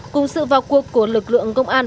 cùng sự vào cuộc của lực lượng công an